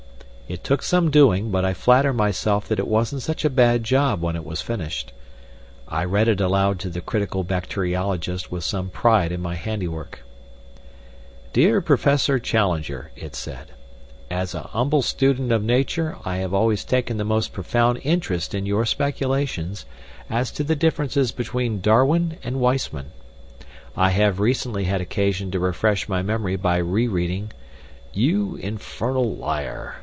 It took some doing, but I flatter myself that it wasn't such a bad job when it was finished. I read it aloud to the critical bacteriologist with some pride in my handiwork. "DEAR PROFESSOR CHALLENGER," it said, "As a humble student of Nature, I have always taken the most profound interest in your speculations as to the differences between Darwin and Weissmann. I have recently had occasion to refresh my memory by re reading " "You infernal liar!"